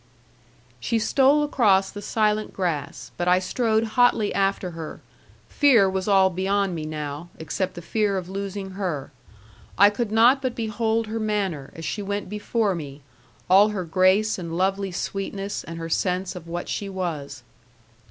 She stole across the silent grass; but I strode hotly after her; fear was all beyond me now, except the fear of losing her. I could not but behold her manner, as she went before me, all her grace, and lovely sweetness, and her sense of what she was.